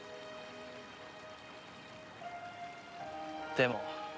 でも。